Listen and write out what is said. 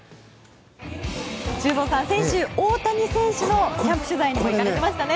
修造さんは先週大谷選手のキャンプ取材行かれてましたよね。